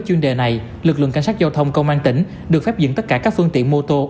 cho đến nay chúng tôi đã kiểm tra hàng ngàn lịch phương tiện